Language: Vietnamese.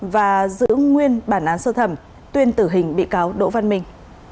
và giữ nguyên bản án sơ thẩm tuyên tử hình bị cáo đỗ văn minh